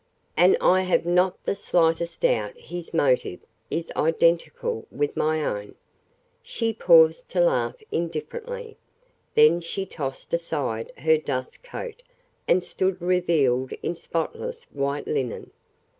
And I have not the slightest doubt his motive is identical with my own." She paused to laugh indifferently, then she tossed aside her dust coat and stood revealed in spotless white linen.